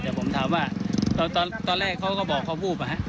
แต่ผมถามว่าตอนแรกเขาก็บอกเขาวูบ